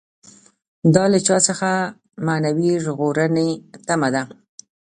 دا له چا څخه معنوي ژغورنې تمه ده.